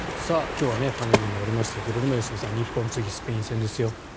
今日はパネルでもやりましたけど良純さん、日本は次スペイン戦ですよ。